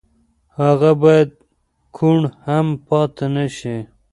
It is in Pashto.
هغه بايد کوڼ هم پاتې نه شي.